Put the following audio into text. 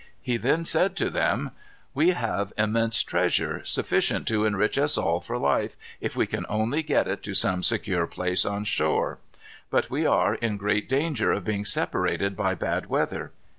He then said to them: "We have immense treasure, sufficient to enrich us all for life, if we can only get it to some secure place on shore. But we are in great danger of being separated by bad weather.